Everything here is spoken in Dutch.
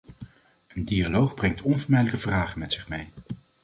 Een dialoog brengt onvermijdelijk vragen met zich mee.